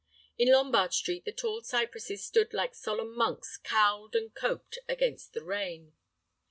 In Lombard Street the tall cypresses stood like solemn monks cowled and coped against the rain.